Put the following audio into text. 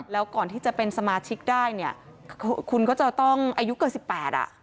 แล้วก่อนที่จะเป็นสมาชิกได้เนี่ยคุณก็จะต้องอายุเกิน๑๘อ่ะ